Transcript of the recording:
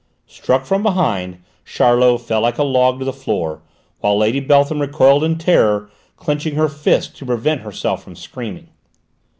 Struck from behind, Charlot fell like a log to the floor, while Lady Beltham recoiled in terror, clenching her fists to prevent herself from screaming.